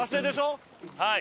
はい。